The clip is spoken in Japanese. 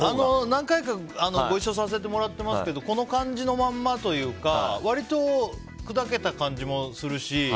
何回かご一緒させてもらってますけどこの感じのまんまというか割と砕けた感じもするし。